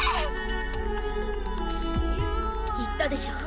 言ったでしょ